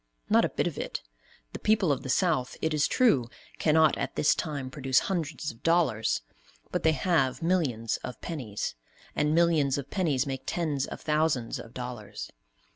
Not a bit of it. The people of the South, it is true, cannot at this time produce hundreds of dollars, but they have millions of pennies; and millions of pennies make tens of thousands of dollars.